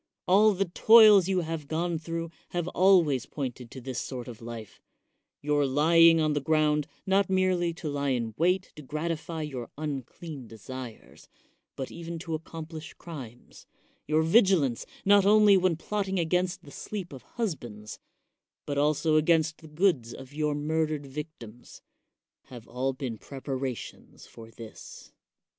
All the toils you have gone through have always pointed to this sort of life ; your lying on the ground not merely to lie in wait to gratify your unclean desires, but even to accomplish crimes; your vigilance, not only when plotting against the sleep of husbands, but also against tjie goods of your murdered victims, have all been prepara tions for this.